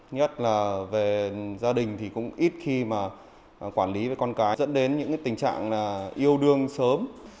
nhất là về gia đình thì cũng ít khi mà quản lý với con cái dẫn đến những tình trạng yêu đương sớm